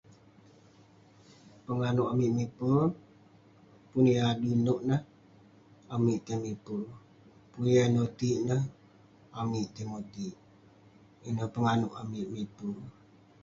Penganouk amik miper ; pun yah juk nouk neh, amik tai miper. Pun yah noti'ik nah, amik tai moti'ik. Ineh penganouk amik miper.